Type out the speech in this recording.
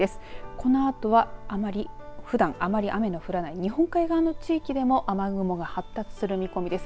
このあとはふだんあまり雨の降らない日本海側の地域でも雨雲が発達する見込みです。